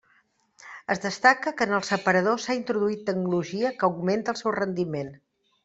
Es destaca que en el separador s'ha introduït tecnologia que augmenta el seu rendiment.